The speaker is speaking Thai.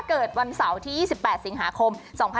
เกิดวันเสาร์ที่๒๘สิงหาคม๒๕๖๒